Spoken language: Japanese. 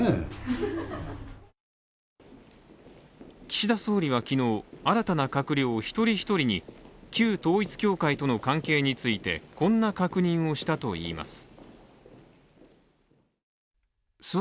岸田総理は昨日、新たな閣僚一人一人に旧統一教会との関係についてこんな確認をしたといいます。